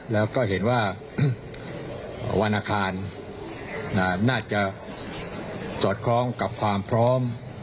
แล้วก็เห็นว่าวันอาคารน่าจะสอดคล้องกับความพร้อม